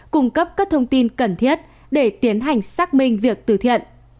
cung cấp các thông tin cần thiết để tiến hành xác minh việc tử thiện